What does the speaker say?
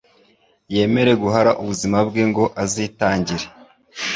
yemere guhara ubuzima bwe ngo azitangire